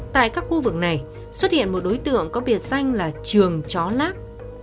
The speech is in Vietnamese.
tại các khu vực này xuất hiện một đối tượng có biệt danh là trường chó lát